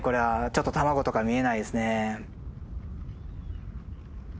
ちょっと卵とか見えないですね。